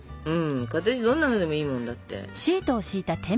形どんなのでもいいもんだって。